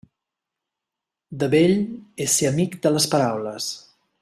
De vell és ser amic de les paraules.